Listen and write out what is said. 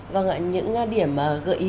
vâng ạ những điểm gợi ý